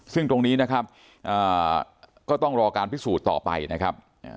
ซึ่งตรงนี้นะครับก็ต้องรอการพิสูจน์ต่อไปนะครับ